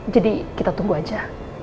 jadi kita tunggu aja